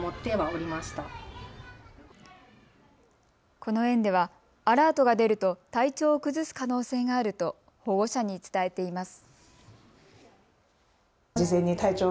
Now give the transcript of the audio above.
この園ではアラートが出ると体調を崩す可能性があると保護者に伝えています。